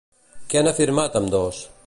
Què han afirmat ambdós?